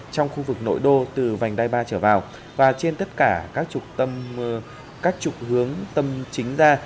trong khu vực nội đô từ vành đai ba trở vào và trên tất cả các trục các trục hướng tâm chính ra